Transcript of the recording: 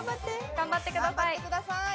頑張ってください。